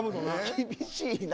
厳しいな。